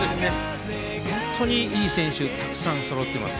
本当にいい選手たくさんそろっています。